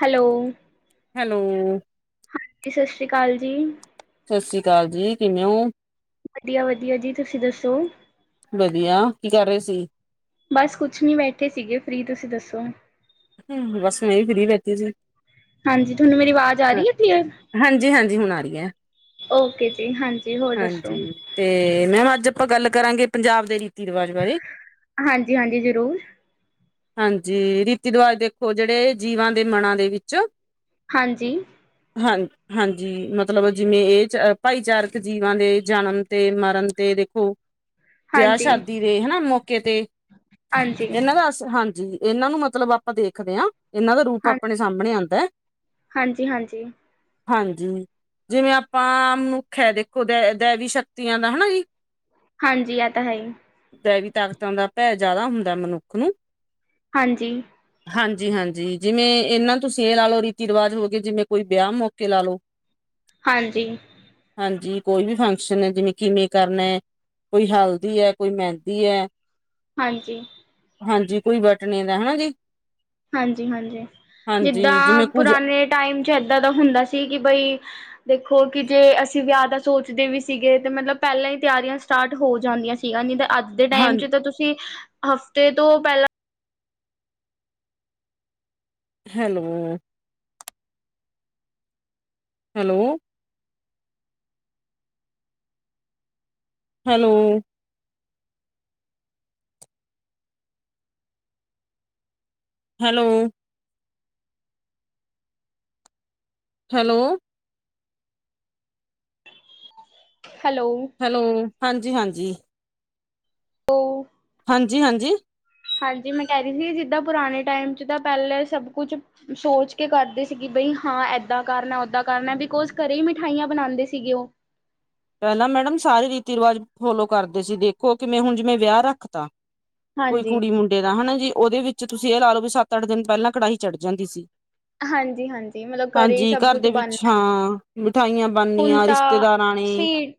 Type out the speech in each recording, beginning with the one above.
Hello hello ਹਾਂਜੀ, ਸਤਿ ਸ਼੍ਰੀ ਅਕਾਲ ਜੀ। ਸਤਿ ਸ੍ਰੀ ਅਕਾਲ, ਜੀ ਕਿਵੇਂ ਹੋ? ਵਧੀਆ-ਵਧੀਆ ਜੀ ਤੁਸੀਂ ਦੱਸੋ? ਵਧੀਆ, ਕੀ ਕਰ ਰਹੇ ਸੀ। ਬਸ ਕੁਛ ਨਈ, ਬੈਠੀ ਸੀਗੀ ਫ੍ਰਰੀ, ਤੁਸੀਂ ਦੱਸੋ? ਹਮ ਬਸ, ਸਵੇਰ ਦੀ ਫਰੀ ਬੈਠੀ ਸੀ। ਹਾਂਜੀ, ਤੁਹਾਨੂੰ ਮੇਰੀ ਆਵਾਜ਼ ਜਾ ਰਹੀ ਉਠੀ ਏ, ਹਾਂਜੀ ਹਾਂਜੀ ਹੁਣ ਆ ਰਹੀ ਹੈ ਓਕੇ ਜੀ, ਹਾਂਜੀ ਹੋਰ ਦੱਸੋ? ਹਾਂਜੀ ਤੇ ਮੈਮ, ਅੱਜ ਆਪਾਂ ਗੱਲ ਕਰਾਂਗੇ, ਪੰਜਾਬ ਦੇ ਰੀਤੀ ਰਿਵਾਜ਼ ਬਾਰੇ ਹਾਂਜੀ ਹਾਂਜੀ ਜ਼ਰੂਰ ਹਾਂਜੀ, ਰੀਤੀ ਰਿਵਾਜ ਦੇਖੋ, ਜਿਹੜੇ ਜੀਵਾਂ ਦੇ ਮਨਾਂ ਦੇ ਵਿੱਚ ਹਾਂਜੀ ਹਾਂਜੀ। ਹਾਂਜੀ, ਮਤਲਬ ਜਿਵੇਂ ਇਹ ਭਾਈਚਾਰਕ ਜੀਵਾਂ ਦੇ, ਜਨਮ, ਤੇ ਮਰਨ, ਤੇ ਦੇਖੋ ਵਿਆਹ ਹਾਂਜੀ ਸ਼ਾਦੀ ਦੇ ਹਨਾ, ਮੌਕੇ ਤੇ ਹਾਂਜੀ ਇਹਨਾਂ ਦਾ ਹਾਂਜੀ ਇਹਨਾਂ ਨੂੰ, ਮਤਲਬ ਆਪਾਂ ਦੇਖਦੇ ਹਾਂ, ਇਹਨਾਂ ਦਾ ਰੂਪ ਹਾਂ ਆਪਣੇ ਸਾਹਮਣੇ ਆਦਾ ਹਾਂਜੀ -ਹਾਂਜੀ ਹਾਂਜੀ। ਜਿਵੇਂ ਆਪਾਂ ਨੂੰ, ਮਨੁੱਖ ਹੈ ਦੇਖੋ ਦੈ ਦੈਵੀ ਸ਼ਕਤੀਆਂ, ਦਾ ਹਨਾ ਜੀ ਹਾਂਜੀ, ਆ ਤਾਂ ਹੈ ਈ ਦੈਵੀ ਤਾਕਤਾਂ ਦਾ, ਭੈਅ ਜ਼ਿਆਦਾ ਹੁੰਦਾ ਮਨੁੱਖ ਨੂੰ, ਹਾਂਜੀ। ਹਾਂਜੀ -ਹਾਂਜੀ ਜਿਵੇਂ ਇਹਨਾਂ ਤੋਂ ਸੇ, ਲਾ-ਲੋ ਰੀਤੀ ਰਿਵਾਜ਼ ਹੋ ਜਿਵੇਂ, ਕੋਈ ਵਿਆਹ ਮੌਕੇ ਲਾ ਲੋ ਹਾਂਜੀ ਹਾਂਜੀ, ਕੋਈ ਵੀ ਫੰਕਸ਼ਨ ਹੈ ਜਿਵੇਂ, ਕਿਵੇਂ ਕਰਨਾ ਕੋਈ ਹੈਲਦੀ ਹੈ, ਕੋਈ ਮਹਿੰਦੀ ਹੈ ਹਾਂਜੀ ਹਾਂਜੀ ਕੋਈ ਵੋਟਰ ਨੀਗ ਨਾ ਜੀ। ਹਾਂਜੀ ਹਾਂਜੀ ਹਾਂਜੀ ਜਿੱਡਾ ਜਿਵੇਂ ਕੁੱਝ ਪੁਰਾਣੇ ਟਾਈਮ ਚ ਏਦਾਂ ਦਾ ਹੁੰਦਾ ਸੀ ਕਿ ਬਈ ਦੇਖੋ ਕਿ ਜੇ ਅਸੀਂ ਵਿਆਹ ਦਾ ਸੋਚਦੇ ਵੀ ਸੀਗੇ ਤੇ ਮਤਲਬ ਪਹਿਲਾਂ ਹੀ ਤਿਆਰੀਆਂ ਸਟਾਰਟ ਹੋ ਜਾਂਦੀਆਂ ਸੀ। ਠੀਕ ਆ ਜੀ ਤੇ ਅੱਜ ਦੇ ਹਾਂ ਟਾਈਮ ਚ ਤਾਂ ਤੁਸੀਂ, ਹਫ਼ਤੇ ਤੋਂ ਪਹਿਲਾਂ hello hello hello hello hello hello hello ਹਾਂਜੀ ਹਾਂਜੀ। ਉਹ ਹਾਂਜੀ ਹਾਂਜੀ। ਹਾਂਜੀ ਮੈਂ ਕਹਿ ਰਹੀ ਸੀ ਜਿੱਦਾਂ ਪੁਰਾਣੇ ਟਾਈਮ ਚ ਤਾਂ ਪਹਿਲਾਂ ਈ ਸਭ ਕੁਛ ਸੋਚ ਕੇ ਕਰਦੇ ਸੀਗੇ ਬਈ ਹਾਂ ਏਦਾਂ ਕਰਨਾ, ਓਦਾਂ ਕਰਨਾ ਬਿਕੋਜ ਘਰੇ ਹੀ ਮਿਠਾਈਆਂ ਬਣਾਦੇ ਸੀਗੇ ਉਹ। ਪਹਿਲਾਂ ਮੈਡਮ ਸਾਰੇ ਰੀਤੀ ਰਿਵਾਜ਼ ਫੋਲੋ ਕਰਦੇ ਸੀ ਦੇਖੋ ਕਿਵੇਂ ਹੁਣ ਜਿਵੇਂ ਵਿਆਹ ਰੱਖਤਾ ਕੋਈ ਹਾਂਜੀ, ਕੁੜ- ਮੁੰਡੇ ਦਾ ਹਨਾ ਜੀ ਉਹਦੇ ਵਿੱਚ ਤੁਸੀਂ ਇਹ ਲਾ ਲਓ ਵੀ ਸੱਤ, ਅੱਠ ਦਿਨ ਪਹਿਲਾਂ ਕੜਾਹੀ ਚੜ ਜਾਂਦੀ ਸੀ। ਹਾਂਜੀ ਹਾਂਜੀ ਮਤਲਬ ਘਰੇ ਹੀ ਹਾਂਜੀ ਸਭ ਘਰ ਕੁੱਛ ਦੇ ਬਣ ਵਿੱਚ ਹਾਂ ਮਿਠਾਈਆਂ ਬਣਨੀਆਂ ਰਿਸ਼ਤੇਦਾਰਾਂ ਨੇ ਸਵੀਟ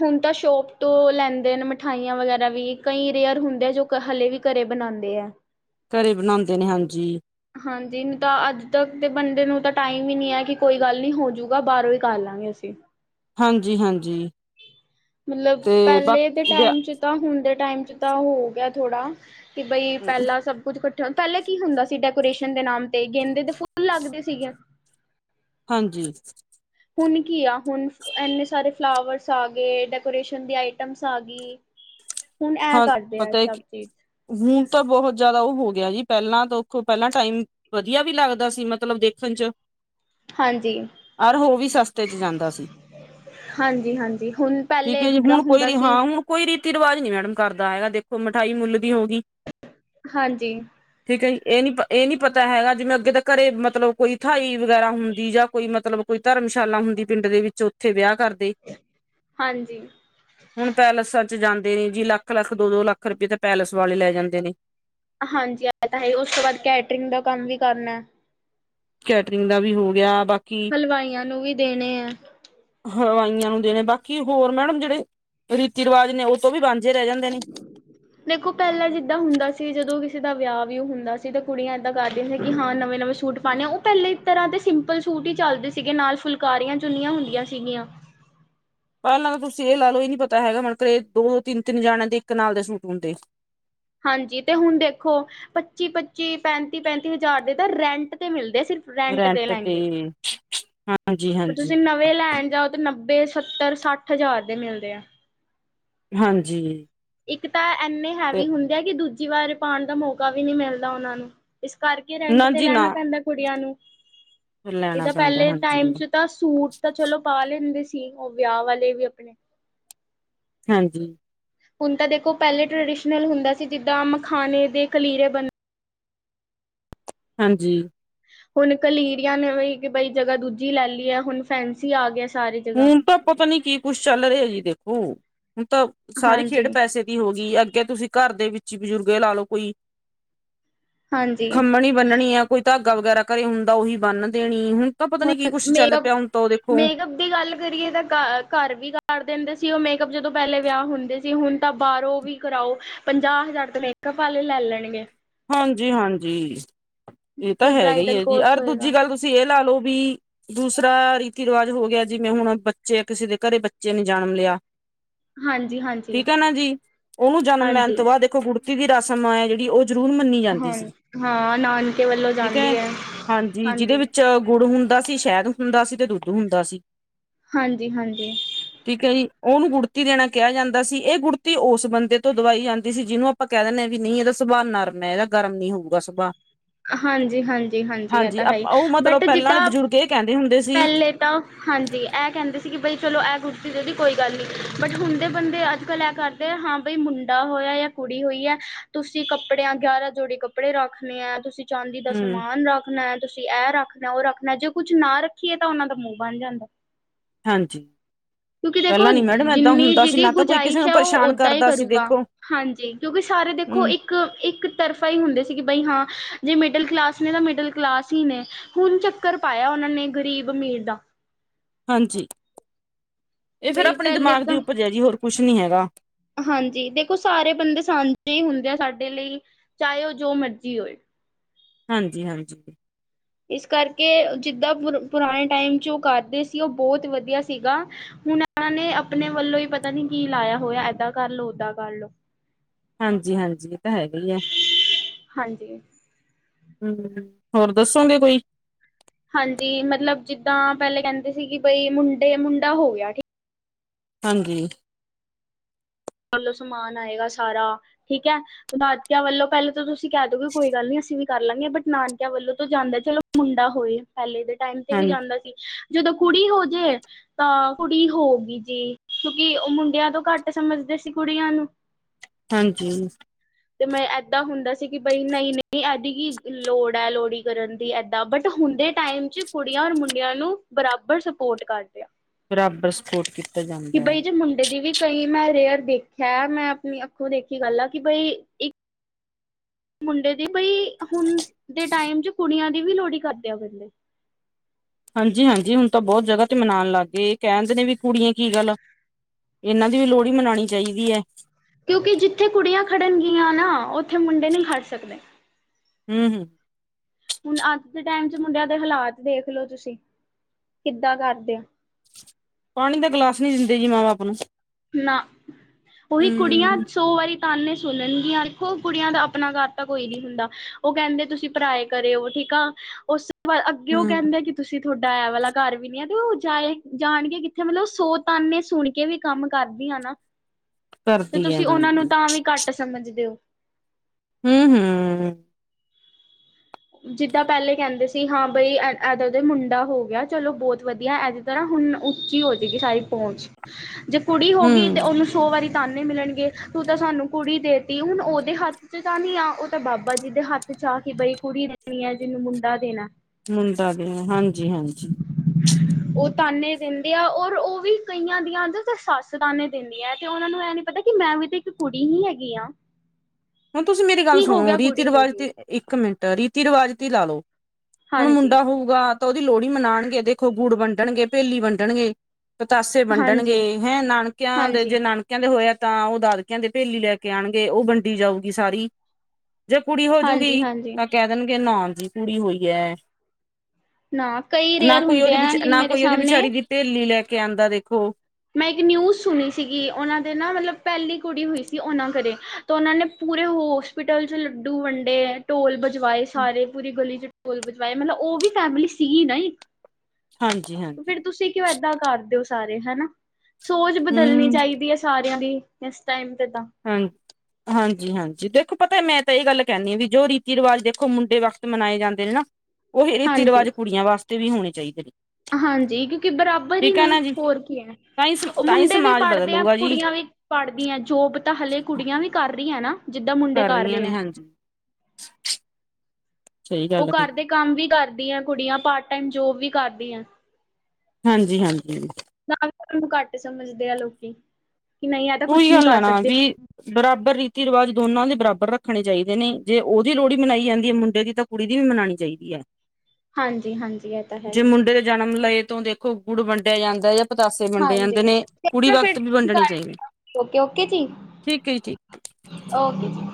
ਹੁਣ ਤਾਂ ਸ਼ੋਪ ਤੋਂ ਲੈਂਦੇ ਨੇ ਮਿਠਾਈਆਂ ਵਗੈਰਾ ਵੀ ਕਈ ਰੇਅਰ ਹੁੰਦੇ ਆ ਜੋ ਹਲੇ ਵੀ ਘਰੇ ਬਣਾਦੇ ਆ। ਘਰੇ ਬਣਾਦੇ ਨੇ ਹਾਂਜੀ। ਹਾਂਜੀ ਤਾਂ ਅੱਜ ਤੱਕ ਦੇ ਬੰਦੇ ਨੂੰ ਤਾਂ ਟਾਈਮ ਹੀ ਨੀ ਹੈ ਕਿ ਕੋਈ ਗੱਲ ਨਹੀ ਹੋਜੂਗਾ ਬਾਹਰੋਂ ਹੀ ਕਰ ਲਾਂਗੇ ਅਸੀਂ। ਹਾਂਜੀ ਹਾਂਜੀ। ਮਤਲਬ ਤੇ ਪਹਿਲੇ ਦੇ ਬਾਕੀ ਟਾਈਮ ਚ ਤਾਂ ਹੁਣ ਦੇ ਟਾਈਮ ਚ ਤਾਂ ਹੋ ਗਿਆ ਥੋੜਾ, ਕਿ ਬਈ ਪਹਿਲਾਂ ਸਭ ਕੁੱਝ ਪਹਿਲਾਂ ਕੀ ਹੁੰਦਾ ਸੀ ਡੈਕੋਰੇਸ਼ਨ ਦੇ ਨਾਮ ਤੇ ਗੇਦੇ ਦੇ ਫੁੱਲ ਲੱਗਦੇ ਸੀਗੇ। ਹਾਂਜੀ। ਹੁਣ ਕੀ ਆ ਹੁਣ ਇੰਨੇ ਸਾਰੇ ਫਲਾਵਰਸ ਆ ਗਏ ਡੈਕੋਰੇਸ਼ਨ ਦੀ ਆਈਟਮਸ ਆ ਗਈ। ਹੁਣ ਐ ਹਾਂ ਕਰਦੇ ਆ ਪਤਾ ਸਭ ਕਿ ਚੀਜ਼। ਹੁਣ ਤਾਂ ਬਹੁਤ ਜਿਆਦਾ ਉਹ ਹੋ ਗਿਆ ਜੀ ਪਹਿਲਾਂ ਦੇਖੋ ਪਹਿਲਾਂ ਟਾਈਮ ਵਧੀਆ ਵੀ ਲੱਗਦਾ ਸੀ ਮਤਲਬ ਦੇਖਣ ਚ ਹਾਂਜੀ ਅਰ ਹੋ ਵੀ ਸਸਤੇ ਚ ਜਾਂਦਾ ਸੀ। ਹਾਂਜੀ ਹਾਂਜੀ ਹੁਣ ਠੀਕ ਪਹਿਲੇ ਹੈ ਜੀ ਜਿੱਦਾਂ ਹੁਣ ਕੋਈ ਹੁੰਦਾ ਰੀ ਸੀ ਹਾਂ ਹੁਣ ਕੋਈ ਰੀਤੀ ਰਿਵਾਜ ਨੀ ਮੈਡਮ ਕਰਦਾ ਹੈਗਾ ਦੇਖੋ ਮਿਠਾਈ ਮੁੱਲ ਦੀ ਹੋ ਗਈ ਹਾਂਜੀ ਠੀਕ ਹੈ ਜੀ, ਇਹ ਨੀ-ਇਹ ਨੀ ਪਤਾ ਹੈਗਾ ਜਿਵੇਂ ਅੱਗੇ ਤਾਂ ਘਰੇ ਮਤਲਬ ਕੋਈ ਉਠਾਈ ਵਗੈਰਾ ਹੁੰਦੀ ਜਾਂ ਕੋਈ ਮਤਲਬ ਕੋਈ ਧਰਮਸ਼ਾਲਾ ਹੁੰਦੀ ਪਿੰਡ ਦੇ ਵਿੱਚ ਉੱਥੇ ਵਿਆਹ ਕਰਦੇ। ਹਾਂਜੀ ਹੁਣ ਪੈਲੇਸਾਂ ਚ ਜਾਂਦੇ ਨੇ ਜੀ ਲੱਖ-ਲੱਖ ਦੋ-ਦੋ ਲੱਖ ਰੁਪਏ ਤਾਂ ਪੈਲੇਸ ਵਾਲੇ ਲੈ ਜਾਂਦੇ ਨੇ। ਹਾਂਜੀ ਆ ਤਾਂ ਹੀ, ਉਸ ਤੋਂ ਬਾਅਦ ਕੈਟਰਿੰਗ ਦਾ ਕੰਮ ਵੀ ਕਰਨਾ। ਕੈਟਰਿੰਗ ਦਾ ਵੀ ਹੋ ਗਿਆ ਬਾਕ ਹਲਵਾਈਆਂ ਨੂੰ ਵੀ ਦੇਣੇ ਐ। ਹਾ ਵਾਈਆਂ ਨੂੰ ਦੇਣੇ ਬਾਕੀ ਹੋਰ ਮੈਡਮ ਜਿਹੜੇ ਰੀਤੀ ਰਿਵਾਜ਼ ਨੇ ਉਹ ਤੋਂ ਵੀ ਵਾਂਝੇ ਰਹਿ ਜਾਂਦੇ ਨੇ। ਦੇਖੋ, ਪਹਿਲਾਂ ਜਿੱਦਾਂ ਹੁੰਦਾ ਸੀ ਜਦੋਂ ਕਿਸੇ ਦਾ ਵਿਆਹ ਵਿ ਹੁੰਦਾ ਸੀ ਤਾਂ ਕੁੜੀਆਂ ਇੱਦਾਂ ਕਰਦੀਆਂ ਸੀ। ਕਿ ਹਾਂ ਨਵੇਂ- ਨਵੇਂ ਸੂਟ- ਪਾਣੇ ਉਹ ਪਹਿਲੇ ਇ ਤਰਾਂ ਦੇ ਸਿੰਪਲ ਸੂਟ ਈ ਚੱਲਦੇ ਸੀਗੇ, ਨਾਲ ਫੁਲਕਾਰੀਆਂ ਚੁਨੀਆਂ ਹੁੰਦੀਆਂ ਸੀਗੀਆਂ। ਪਹਿਲਾਂ ਤਾਂ ਤੁਸੀਂ ਇਹ ਲਾ ਲਓ। ਇਹ ਨੀ ਪਤਾ ਹੈਗਾ ਮਨ ਕਰ ਦੋ- ਦੋ ਤਿੰਨ- ਤਿੰਨ ਜਾਣੇਆਂ ਦੇ ਇੱਕ ਨਾਲ ਦੇ ਸੂਟ ਹੁੰਦੇ। ਹਾਂਜੀ, ਤੇ ਹੁਨ ਦੇਖੋ ਪੱਚੀ- ਪੱਚੀ ਪੈਂਤੀ- ਪੈਂਤੀ ਹਜ਼ਾਰ ਦੇ ਤਾਂ ਰੈਂਟ ਤੇ ਮਿਲਦੇ ਸੀ। ਰੈਂਟ ਤੇ, ਹਾਂਜੀ-ਹਾਂਜੀ। ਤੁਸੀਂ ਨਵੇਂ ਲੈਣ ਜਾਓ ਤੇ ਨੱਬੇ, ਸੱਤਰ, ਸੱਠ ਹਜ਼ਾਰ ਦੇ ਮਿਲਦੇ ਆ। ਹਾਂਜੀ। ਇੱਕ ਤਾਂ ਇੰਨੇ ਤੇ ਹੈਵੀ ਹੁੰਦੇ ਆ, ਕਿ ਦੂਜੀ ਵਾਰੀ ਪਾਉਣ ਦਾ ਮੌਕਾ ਵੀ ਨਹੀਂ ਮਿਲਦਾ ਉਹਨਾਂ ਨੂੰ। ਇਸ ਕਰਕੇ ਰੈਂਟ ਨਾ ਤੇ ਜੀ ਲੈਣਾ ਨਾ ਪੈਂਦਾ ਕੁੜੀਆਂ ਨੂੰ ਫਿਰ ਨੀ ਲੈਣਾ ਦਾ ਪੈਂਦਾ ਪਹਿਲੇ ਹਾਂਜੀ ਟਾਈਮ ਚ। ਤਾਂ ਸੂਟ ਤਾਂ ਚਲੋ ਪਾ ਲੈਂਦੇ ਸੀ। ਉ ਵਿਆਹ ਵਾਲੇ ਵੀ ਆਪਣੇ। ਹਾਂਜੀ। ਹੁਣ ਤਾਂ ਦੇਖੋ, ਪਹਿਲੇ ਟਰਡੀਸ਼ਨਲ ਹੁੰਦਾ ਸੀ। ਜਿੱਦਾਂ ਮਖਾਨਣੇ ਦੇ ਕਲੀਰੇ ਬਣ, ਹਾਂਜੀ। ਹੁਣ ਕਲੀਰੀਆਂ ਨੇ ਵੀ ਕਿ ਬਈ ਜਗਾ ਦੂਜੀ ਲੈ ਲਈ ਹੈ ਹੁਣ ਫੈਂਸੀ ਆ ਗਿਆ ਸਾਰੀ ਜਗਾ। ਹੁਣ ਤਾਂ ਪਤਾ ਨੀ ਕੀ ਕੁੱਛ ਚੱਲ ਰਿਹਾ ਜੀ ਦੇਖੋ, ਹੁਣ ਤਾਂ ਸਾਰੀ ਖੇਡ ਹਾਂਜੀ ਪੈਸੇ। ਦੀ ਹੋ ਗਈ ਅੱਗੇ, ਤੁਸੀਂ ਘਰ ਦੇ ਵਿੱਚ ਹੀ ਬਜ਼ੁਰਗੇ ਲਾ ਲਓ ਕੋਈ ਹਾਂਜੀ ਖੰਮਣ ਹੀ, ਬੰਨਣੀ ਆ, ਕੋਈ ਧਾਗਾ ਵਗੈਰਾ ਘਰੇ ਹੁੰਦਾ, ਉਹੀ ਬੰਨ ਦੇਣੀ ਹੁਣ, ਤਾਂ ਪਤਾ ਨੀ ਕੀ ਹੁਣ ਕੁੱਛ ਚੱਲ ਮੇਕਅਪ ਪਿਆ ਹੁਣ ਤਾਂ ਉਹ ਦੇਖੋ। ਮੇਕਅਪ ਦੀ ਗੱਲ ਕਰੀਏ ਤਾਂ ਘ ਘਰ ਵੀ ਕਰ ਦਿੰਦੇ ਸੀ। ਉਹ ਮੇਕਅਪ ਜਦੋਂ ਪਹਿਲੇ ਵਿਆਹ ਹੁੰਦੇ ਸੀ। ਹੁਣ ਤਾਂ ਬਾਹਰੋਂ ਵੀ, ਕਰਾਓ ਪੰਜਾਹ ਹਜ਼ਾਰ ਤੇ ਮੇਕਅਪ ਵਾਲੇ ਲੈ ਲੈਣਗੇ। ਹਾਂਜੀ- ਹਾਂਜੀ ਇਹ ਤਾਂ ਜੇ ਹੈਗਾ ਬ੍ਰਾਈਡਲ ਏ ਜੀ ਕੋਰਸ ਯਰ ਹੋਏਗਾ ਦੂਜੀ ਗੱਲ ਤੁਸੀਂ ਇਹ ਲਾਲੋ ਵੀ। ਦੂਸਰਾ ਰੀਤੀ ਰਿਵਾਜ ਹੋ ਗਿਆ। ਜਿਵੇਂ ਹੁਣ ਬੱਚੇ ਕਿਸੇ ਦੇ ਘਰੇ ਬੱਚੇ ਨੇ ਜਨਮ ਲਿਆ। ਹਾਂਜੀ ਹਾਂਜੀ ਠੀਕ ਹੈ ਨਾ ਜੀ, ਉਹਨੂੰ ਜਨਮ ਲੈਣ ਹਾਂਜੀ ਤੋਂ ਬਾਅਦ ਦੇਖੋ ਗੁੜਤੀ ਦੀ ਰਸਮ ਐ, ਜਿਹੜੀ ਉਹ- ਜ਼ਰੂਰ ਮੰਨੀ। ਜਾਂਦੀ ਸੀ ਹਾਂ-ਹਾਂ ਨਾਨਕੇ ਵੱਲੋਂ ਠੀਕ ਹੈ ਜਾਂਦੀ ਐ। ਹਾਂਜੀ ਜਿਹਦੇ ਵਿੱਚ ਗੁੜ ਹੁੰਦਾ ਸੀ, ਸ਼ਹਿਦ ਹੁੰਦਾ ਸੀ, ਤੇ ਦੁੱਧ ਹੁੰਦਾ ਸੀ। ਹਾਂਜੀ-ਹਾਂਜੀ। ਠੀਕ ਹੈ ਜੀ, ਉਹਨੂੰ ਗੁੜਤੀ ਦੇਣਾ ਕਿਹਾ ਜਾਂਦਾ ਸੀ ਇਹ ਗੁੜਤੀ ਉਸ ਬੰਦੇ ਤੋਂ ਦਵਾਈ ਜਾਂਦੀ ਸੀ। ਜਿਹਨੂੰ, ਆਪਾਂ ਕਹਿ ਦਿੰਦੇ ਹਾਂ ਵੀ ਨਹੀਂ ਇਹਦਾ ਸੁਭਾਅ ਨਰਮ ਹੈ, ਇਹਦਾ ਗਰਮ ਨੀ ਹੋਊਗਾ ਸੁਭਾਅ। ਹਾਂਜੀ- ਹਾਂਜੀ, ਹਾਂਜੀ ਇਹ ਤਾਂ ਹੈ ਈ ਆਪਾਂ ਉਹ ਮਤਲਬ ਬਟ ਪਹਿਲਾਂ ਵਾਲੇ ਜਿੱਦਾਂ, ਬਜ਼ੁਰਗ ਇਹ ਕਹਿੰਦੇ ਹੁੰਦੇ ਸੀ ਪਹਿਲੇ। ਤਾਂ ਹਾਂਜੀ ਇਹ ਕਹਿੰਦੇ ਸੀ ਕਿ ਬਈ ਚਲੋ ਇਹ ਗੁੜਤੀ ਦੇਤੀ, ਕੋਈ ਗੱਲ ਨਹੀਂ, ਬਟ ਹੁਣਦੇ ਬੰਦੇ ਅੱਜ ਕੱਲ ਇਹ ਕਰ- ਤੇ ਹਾਂ ਬਈ ਮੁੰਡਾ ਹੋਇਆ ਜਾਂ ਕੁੜੀ ਹੋਈ ਐ। ਤੁਸੀਂ ਕੱਪੜਿਆਂ ਗਿਆਰਾਂ ਜੋੜੀ ਕੱਪੜੇ ਰੱਖਣੇ ਐ। ਚਾਂਦੀ ਦਾ ਹਮ ਸਮਾਨ ਰੱਖ- ਰੱਖਣਾ ਤੁਸੀਂ ਇਹ ਰੱਖਣਾ ਉਹ ਰੱਖਣਾ ਜੇ ਕੁਛ ਨਾ ਰੱਖੀਏ ਤਾਂ ਉਹਨਾਂ ਦਾ ਮੂੰਹ ਬਣ ਜਾਂਦਾ। ਹਾਂਜੀ। ਕਿਉਂਕਿ ਦੇਖੋ ਪਹਿਲਾਂ ਨੀ ਮੈਡਮ ਏਦਾਂ ਜਿੰਨੀ ਹੁੰਦਾ ਸੀ ਜਿਹਦੀ ਨਾ ਤਾਂ ਕੋਈ ਕਿਸੇ ਗੁਜਾਇਸ਼ ਨੂੰ ਹੈ, ਉਹ ਪਰੇਸ਼ਾਨ ਓਦਾਂ ਹੀ ਕਰਦਾ ਸੀ ਕਰੂਗਾ। ਦੇਖੋ ਹਾਂਜੀ ਕਿਉਂਕਿ ਸਾਰੇ ਦੇਖੋ ਹਮ ਇੱਕ- ਇੱਕ ਤਰਫਾ ਹੀ ਹੁੰਦੇ ਸੀਗੇ ਬਈ ਹਾਂ- ਜੇ ਮਿਡਲ ਕਲਾਸ ਨੇ ਤਾਂ ਮਿਡਲ ਕਲਾਸ ਹੀ ਨੇ, ਹੁਣ ਚੱਕਰ ਪਾਇਆ, ਉਹਨਾਂ ਨੇ ਗਰੀਬ, ਅਮੀਰ ਦਾ। ਹਾਂਜੀ, ਇਹ ਫੇਰ ਬਈ ਆਪਣੇ ਪਹਿਲੇ ਦਿਮਾਗ ਦੀ ਤਾਂ ਉੱਪਰ ਐ ਜੀ ਹੋਰ ਕੁਛ ਨੀ ਹੈਗਾ। ਹਾਂਜੀ, ਦੇਖੋ ਸਾਰੇ ਬੰਦੇ ਸਾਂਝੇ ਹੀ ਹੁੰਦੇ ਆ ਸਾਡੇ ਲਈ, ਚਾਹੇ ਉਹ ਜੋ ਮਰਜ਼ੀ ਹੋਏ। ਹਾਂਜੀ-ਹਾਂਜੀ। ਇਸ ਕਰਕੇ ਜਿੱਦਾਂ ਪੁ ਪੁਰਾਣੇ ਟਾਈਮ 'ਚ ਉ ਕਰਦੇ ਸੀ। ਉਹ ਬਹੋਤ ਵਧੀਆ ਸੀਗਾ। ਹੁਣ ਉਹਨਾਂ ਨੇ ਆਪਣੇ ਵੱਲੋਂ ਈ ਪਤਾ ਨੀ ਕੀ ਲਾਇਆ ਹੋਇਆ। ਏਦਾਂ ਕਰਲੋ ਓਦਾਂ ਕਰ ਲੋ। ਹਾਂਜੀ-ਹਾਂਜੀ ਇਹ ਤਾਂ ਹੈ ਈ ਐ। ਹਾਂਜੀ ਹੂੰ, ਹੋਰ ਦੱਸੋਗੇ ਕੋਈ। ਹਾਂਜੀ ਮਤਲਬ ਜਿੱਦਾਂ ਪਹਿਲੇ ਕਹਿੰਦੇ ਸੀ ਬਈ ਮੁੰਡੇ ਮੁੰਡਾ ਹੋ ਗਿਆ ਠੀਕ। ਹਂਗੀ। ਵੱਲੋਂ ਸਮਾਨ ਆਏਗਾ ਸਾਰਾ ਠੀਕ ਹੈ ਨਾਨਕਿਆਂ ਵੱਲੋਂ ਪਹਿਲਾਂ ਤਾਂ ਤੁਸੀਂ ਕਹਿ ਦੋਗੇ ਕੋਈ ਗੱਲ ਨਹੀ ਅਸੀਂ ਵੀ ਕਰ ਲਾਂਗੇ ਬਟ ਨਾਨਕਿਆਂ ਵੱਲੋਂ ਤਾਂ ਜਾਂਦਾ ਚਲੋ ਮੁੰਡਾ ਹੋਏ ਪੈਲੀ ਦੇ ਟਾਈਮ ਤੇ ਹਾਂ ਵੀ ਜਾਂਦਾ ਸੀ ਜਦੋਂ ਕੁੜੀ ਹੋ ਜਾਏ ਤਾਂ ਕੁੜੀ ਹੋਗੀ ਜੀ ਕਿਉਂਕਿ ਓ ਮੁੰਡਿਆਂ ਤੋਂ ਘੱਟ ਸਮਝਦੇ ਸੀ ਕੁੜੀਆਂ ਨੂੰ। ਹਾਂਜੀ। ਤੇ ਮੈਂ ਏਦਾਂ ਹੁੰਦਾ ਸੀ ਕੀ ਬਈ ਨਈ-ਨਈ ਐਡੀ ਕੀ ਲੋੜ ਐ ਲੋਹੜੀ ਕਰਨ ਦੀ ਏਦਾਂ ਬਟ ਹੁਣ ਟਾਈਮ ਚ ਕੁੜੀਆਂ ਔਰ ਮੁੰਡਿਆਂ ਨੂੰ ਬਰਾਬਰ ਸਪੋਰਟ ਕਰ ਰਿਆ। ਬਰਾਬਰ ਸਪੋਰਟ ਕੀ ਕੀ ਬਈ ਜੇ ਮੁੰਡੇ ਦੀ ਵੀ ਕਈ ਮੈਂ ਰੇਅਰ ਦੇਖਿਆ ਮੈਂ ਆਪਣੀ ਅੱਖੋਂ ਦੇਖੀ ਗੱਲ ਆ ਕੀ ਬਈ ਇੱ ਮੁੰਡੇ ਦੀ ਬਈ ਹੁਣ ਦੇ ਟਾਈਮ ਚ ਕੁੜੀਆਂ ਦੀ ਵੀ ਲੋਹੜੀ ਕਰਦੇ ਆ ਬੰਦੇ। ਹਾਂਜੀ-ਹਾਂਜੀ ਹੁਣ ਤਾਂ ਬੋਤ ਜਗ੍ਹਾ ਤੇ ਮਨਾਣ ਲਾਗੇ ਕੈਣ ਦੇ ਨੇ ਵੀ ਕੁੜੀਆਂ ਕੀ ਗੱਲ ਇਨਾਂ ਦੀ ਵੀ ਲੋਹੜੀ ਮਨਾਣੀ ਚਾਈਦੀ ਐ। ਕਿਉਂਕਿ ਜਿੱਥੇ ਕੁੜੀਆਂ ਖੜਨਗੀਆਂ ਨਾ ਉੱਥੇ ਮੁੰਡੇ ਨੀ ਖੜ ਸਕਦੇ। ਹੂੰ-ਹੂੰ। ਹੁਣ ਅੱਜ ਦੇ ਟਾਈਮ ਚ ਮੁੰਡਿਆਂ ਦੇ ਹਾਲਾਤ ਦੇਖ ਲੋ ਤੁਸੀਂ ਕਿੱਦਾਂ ਕਰਦੇ ਆ। ਪਾਣੀ ਦਾ ਗਲਾਸ ਨੀ ਦਿੰਦੇ ਜੀ ਮਾਂ ਬਾਪ ਨੂੰ। ਨਾ ਓਵੀ ਕੁੜੀਆਂ ਹਮ ਚ ਸੋ ਵਾਰੀ ਤਾਂਨੇ ਸੁਣਨਗੀਆਂ ਦੇਖੋ ਕੁੜੀਆਂ ਦਾ ਆਪਣਾ ਘਰ ਤਾਂ ਕੋਈ ਨੀ ਹੁੰਦਾ ਓ ਕੈਂਦੇ ਤੁਸੀਂ ਪਰਾਏ ਕਰੇ ਓ ਠੀਕ ਆ ਉਸ ਤੋਂ ਬਾਅਦ ਅੱਗੇ ਓ ਹਮ ਕੈਂਦਾ ਆ ਕੀ ਤੁਸੀਂ ਤੁਹਾਡਾ ਐ ਵਾਲਾ ਘਰ ਵੀ ਨੀ ਆ ਤੇ ਓ ਜਾਏ ਜਾਣਗੇ ਕਿੱਥੇ ਮਤਲਬ ਸੋ ਤਾਨੇ ਸੁਣ ਕੇ ਵੀ ਕੰਮ ਕਰਦੀਆਂ ਨਾ ਤੇ ਕਰਦੀ ਹੈ ਤੁਸੀਂ ਉਨਾਂ ਨੂੰ ਨਹੀਂ ਤਾਂ ਵੀ ਘੱਟ ਸਮਝਦੇ ਓ। ਹੂੰ-ਹੂੰ। ਜਿੱਦਾਂ ਪਹਿਲੇ ਕੈਂਦੇ ਸੀ ਹਾਂ ਬਈ ਐ ਐਦਾ ਤੇ ਮੁੰਡਾ ਹੋ ਗਿਆ ਚਲੋ ਬੋਤ ਵਧੀਆ ਐ ਤਾਂ ਹੁਣ ਉੱਚੀ ਹੋ ਜਾਏਗੀ ਸਾਰੀ ਪੋਂਚ ਜੇ ਕੁੜੀ ਹੋ ਗਈ ਹਮ ਤੇ ਓਨੂੰ ਸੋ ਵਾਰੀ ਤਾਨੇ ਮਿਲਣਗੇ ਤੂੰ ਤਾਂ ਸਾਨੂੰ ਕੁੜੀ ਦੇ ਤੀ ਹੁਣ ਓਦੇ ਹੱਥ ਚ ਤਾਂ ਨੀ ਆ ਓ ਤਾਂ ਬਾਬਾ ਜੀ ਦੇ ਹੱ ਤੇ ਚਾ ਕੇ ਬਈ ਕੁੜੀ ਦੇਣੀ ਐ ਜਿਨੂੰ ਮੁੰਡਾ ਦੇਣਾ। ਮੁੰਡਾ ਦੇ ਹਾਂਜੀ-ਹਾਂਜੀ। ਓ ਤਾਨੇ ਦਿੰਦੇ ਆ ਔਰ ਓ ਵੀ ਕਈਆਂ ਦੀ ਆਂਦਤ ਸੱਸ ਤਾਨੇ ਦਿੰਦੀ ਐ ਤੇ ਉਨਾਂ ਨੂੰ ਐ ਨੀ ਪਤਾ ਕੀ ਮੈਂ ਵੀ ਤੇ ਇੱਕ ਕੁੜੀ ਈ ਹੈਗੀ ਆ। ਹੁਣ ਤੁਸੀਂ ਮੇਰੀ ਗੱਲ ਕੀ ਹੋ ਸੁਣੋ ਗਿਆ ਰੀਤੀ ਕੁੜੀ ਹੋ ਰਿਵਾਜ ਗਈ ਤੇ ਇੱਕ ਮਿੰਟ ਰੀਤੀ ਰਿਵਾਜ਼ ਤੇ ਲਾ ਲਓ ਹੁਣ ਹਾਂਜੀ ਮੁੰਡਾ ਹੋਊ ਤਾਂ ਓਦੀ ਲੋਹੜੀ ਮਨਾਣਗੇ ਦੇਖੋ ਗੁੜ ਵੰਡਣਗੇ, ਭੇਲੀ ਵੰਡਣਗੇ ਪਤਾਸੇ ਵੰਡਣਗੇ ਹਾਂਜੀ ਹੈਂ ਨਾਨਕਿਆਂ ਦੇ ਹਾਂਜੀ ਜੇ ਨਾਨ ਕੈਂਦੇ ਹੋਇਆ ਤਾਂ ਓ ਦਾਦਕਿਆਂ ਭੇਲੀ ਲੈ ਕੇ ਆਣਗੇ ਓ ਵੰਡੀ ਜਾਊਗੀ ਸਾਰੀ। ਜੇ ਕੁੜੀ ਹਾਂਜੀ ਹੋਜੂਗੀ ਹਾਂਜੀ ਤਾਂ ਕੈ ਦੇਣਗੇ ਨਾ ਜੀ ਕੁੜੀ ਹੋਈ ਐ। ਨਾ ਕਈ ਨਾ ਰੇਅਰ ਕੋਈ ਹੁੰਦੇ ਓਦੀ ਆ ਵਿਚ ਕਿ ਨਾ ਮੇਰੇ ਕੋਈ ਓਦੀ ਸਾਹਮਣੇ ਵਿਚਾਰੀ ਦੀ ਡੇਲੀ ਲੈ ਕੇ ਆਂਦਾ ਦੇਖੋ ਮੈਂ ਇੱਕ ਨਿਊਜ਼ ਸੁਣੀ ਸੀਗੀ ਓਨਾਂ ਦੇ ਨਾ ਮਤਲਬ ਪੈਲੀ ਕੁੜੀ ਹੋਈ ਸੀ ਓਨਾਂ ਘਰੇ ਤਾਂ ਓਨਾਂ ਨੇ ਪੂਰੇ ਹੋਸਪਿਟਲ ਚ ਲੱਡੂ ਵੰਡੇ ਢੋਲ ਵ ਜਵਾਏ ਸਾਰੇ ਪੂਰੀ ਗਲੀ ਚ ਢੋਲ ਬਜਵਾਏ ਮਤਲਬ ਓ ਵੀ ਫੈਮਿਲੀ ਸੀ ਨਾਈ। ਹਾਂਜੀ ਫਿਰ ਹਾਂਜੀ ਤੁਸੀਂ ਕਿਉਂ ਏਦਾਂ ਕਰਦੇ ਓ ਸਾਰੇ ਹੈਨਾ। ਸੋਚ ਬਦਲਣੀ ਹਮ ਚਾਈਦੀ ਐ ਸਾਰਿਆਂ ਦੀ ਇਸ ਟਾਈਮ ਤੇ ਤਾਂ। ਹਾਂ ਹਾਂਜੀ-ਹਾਂਜੀ ਦੇਖੋ ਪਤਾ ਮੈਂ ਤਾਂ ਏ ਗੱਲ ਕੈਨੀ ਆ ਵੀ ਜੋ ਰੀਤੀ ਰਿਵਾਜ਼ ਦੇਖੋ ਮੁੰਡੇ ਵਕਤ ਮਨਾਏ ਜਾਂਦੇ ਨੇ ਨਾ ਓਹੀ ਹਾਂਜੀ ਰੀਤੀ-ਰਿਵਾਜ਼ ਕੁੜੀਆਂ ਵਾਸਤੇ ਵੀ ਹੋਣੇ ਚਾਈਦੇ ਨੇ। ਹਾਂਜੀ ਕਿਉਂਕੀ ਬਰਾਬਰ ਈ ਠੀਕ ਨੇ ਹੈ ਨਾ ਜੀ ਹੋਰ ਕੀਐ। ਤਾਂ ਹੀ ਓ ਤਾਂ ਹੀ ਮੁੰਡੇ ਵੀ ਸਮਾਜ ਪੜ੍ਹਦੇ ਆ ਬਦਲੂਗਾ ਜੀ ਕੁੜੀਆਂ ਵੀ ਪੜ੍ਹਦੀਆਂ ਜੋਬ ਤਾਂ ਹਲੇੇ ਕੁੜੀਆਂ ਵੀ ਕਰ ਰਈਆਂ ਨਾ। ਜਿੱਦਾਂ ਮੁੰਡੇ ਕਰ ਰਹੀਆਂ ਨੇ ਰਿਐ। ਹਾਂਜੀ ਸਹੀ ਓ ਗੱਲ ਹੈ ਤੁਹਾਡੀ ਘਰਦੇ ਕੰਮ ਵੀ ਕਰਦੀਆਂ ਕੁੜੀਆਂ ਪਾਰਟ ਟੈਮ ਜੋਬ ਵੀ ਕਰਦੀਆਂ। ਹਾਂਜੀ-ਹਾਂਜੀ [unintelligible] ਨੂੰ ਘੱਟ ਸਮਝਦੇ ਆ ਲੋਕੀ ਕਿ ਨਈ ਐ ਤਾਂ ਕੁਛ ਉਹੀ ਨੀ ਗੱਲ ਕਰ ਹੈ ਨਾ ਸਕਦੇ। ਵੀ ਬਰਾਬਰ ਰੀਤੀ ਰਿਵਾਜ ਦੋਨਾਂ ਦੇ ਬਰਾਬਰ ਰੱਖਣੇ ਚਾਈਦੇ ਨੇ ਜੇ ਉਦੀ ਲੋਹੜੀ ਮਨਾਈ ਜਾਂਦੀ ਏ ਮੁੰਡੇ ਦੀ ਤਾਂ ਕੁੜੀ ਦੀ ਵੀ ਮਨਾਣੀ ਚਾਈਦੀ ਏ ਹਾਂਜੀ ਹਾਂਜੀ ਇਹ ਤਾਂ ਹੈ ਜੇ ਹੀ ਮੁੰਡੇ ਦੇ ਜਨਮ ਲਾਏ ਤੋਂ ਦੇਖ ਖੋ ਗੁੜ ਵੰਡਿਆ ਜਾਂਦਾ ਜਾਂ ਪਤਾਸੇ ਵੰਡੇ ਜਾਂਦੇ ਹਾਂਜੀ। ਨੇ ਕੁੜੀ ਵਕਤ ਵੀ ਵੰਡਣੇ ਚਾਈਦੇ ਨੇ। ਓਕੇ-ਓਕੇ ਜੀ। ਠੀਕ ਐ ਠੀਕ। ਓਕੇ ਜੀ।